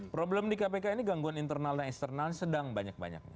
problem di kpk ini gangguan internal dan eksternal sedang banyak banyak